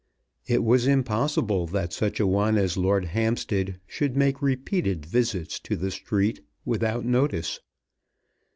It was impossible that such a one as Lord Hampstead should make repeated visits to the street without notice.